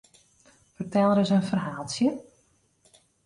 Fertel ris in ferhaaltsje?